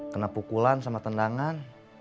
kena pukulan sama tendangan